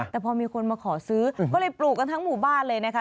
แต่พอมีคนมาขอซื้อก็เลยปลูกกันทั้งหมู่บ้านเลยนะคะ